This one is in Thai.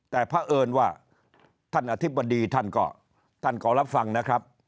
แต่เพราะเอิญว่าท่านอธิบดีท่านก็ท่านขอรับฟังนะครับ